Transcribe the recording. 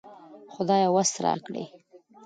خدايه وس راکړې